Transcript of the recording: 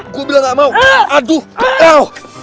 gue bilang gak mau aduh